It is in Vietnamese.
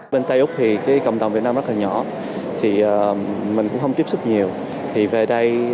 bên tây úc thì cái cộng đồng việt nam rất là nhỏ thì mình cũng không tiếp xúc nhiều thì về đây